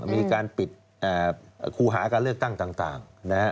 มีการปิดครูหาการเลือกตั้งต่าง